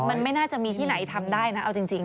มันไม่น่าจะมีที่ไหนทำได้นะเอาจริง